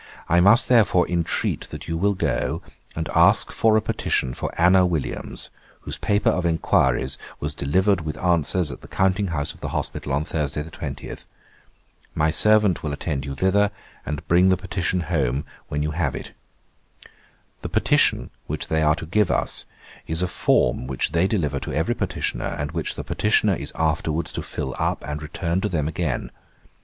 I must therefore intreat that you will go, and ask for a petition for Anna Williams, whose paper of enquiries was delivered with answers at the counting house of the hospital on Thursday the 20th. My servant will attend you thither, and bring the petition home when you have it. 'The petition, which they are to give us, is a form which they deliver to every petitioner, and which the petitioner is afterwards to fill up, and return to them again.